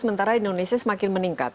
sementara indonesia semakin meningkat